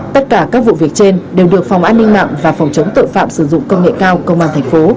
tất cả các vụ việc trên đều được phòng an ninh mạng và phòng chống tội phạm sử dụng công nghệ cao công an thành phố